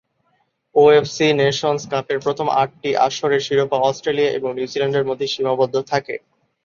OFC nations কাপের প্রথম আটটি আসরের শিরোপা অস্ট্রেলিয়া এবং নিউজিল্যান্ডের মধ্যে সীমাবদ্ধ থাকে।